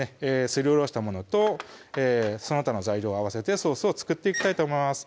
すりおろしたものとその他の材料合わせてソースを作っていきたいと思います